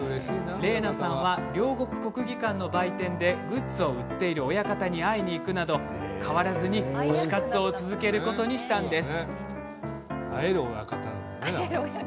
伶奈さんは両国国技館の売店でグッズを売っている親方に会いに行くなど、変わらずに推し活を続けることにしたんです。